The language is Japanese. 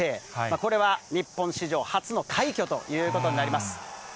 これは日本史上初の快挙ということになります。